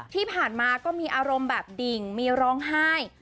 ที่ผ่านมาก็มีอารมณ์แบบดิ่งมีร้องไห้